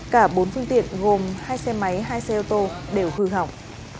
cả bốn phương tiện gồm hai xe máy hai xe ô tô đều hư hỏng